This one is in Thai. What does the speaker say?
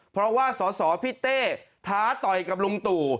เพราะว่าสอสอพี่เต้ท้าต่อยกับลุงตู่